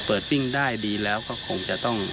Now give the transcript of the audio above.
ออกไปดีแล้วก็คงจะต้อง